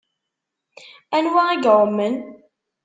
Anwa i iɛummen?